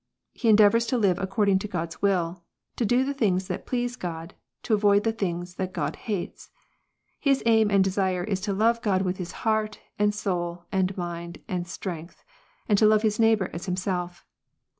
He endeavours to live Jh according to God s will, to do the things that please God, to ^ avoid the things that God hates. His aim and desire is to love God with heart, and soul, and mind, and strength, and to Jove ^his neighbour as himself.